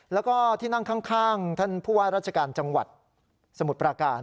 แล้วก็ที่นั่งข้างท่านผู้ว่าราชการจังหวัดสมุทรปราการ